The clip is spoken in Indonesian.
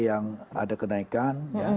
yang ada kenaikan